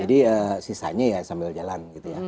jadi sisanya ya sambil jalan gitu ya